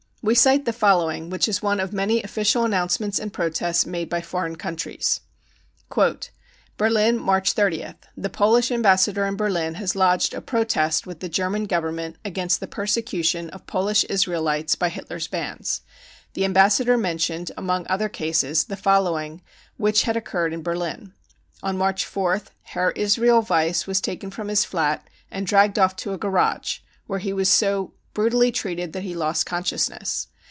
We cite the following, which is one of many official announcements and protests made by foreign countries. " Berlin, March 30th. The Polish Ambassador in Berlin has lodged a protest with the German Government 250 BROWN BOOK OF THE HITLER TERROR against the persecution of Polish Israelites by Hitler's bands. The Ambassador mentioned among other cases the following which had occurred in Berlin. On March 4th Herr Israel Weiss was taken from his flat and dragged off to a garage, where he was so brutally treated that he lost consciousness.